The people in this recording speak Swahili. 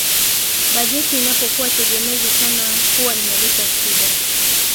Bajeti inapokuwa tegemezi sana huwa inaleta shida